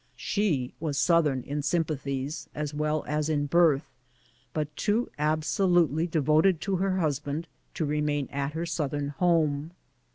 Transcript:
She was Southern in sympathies as well as in birth, but too absolutely devoted to her husband to remain at her Southern home.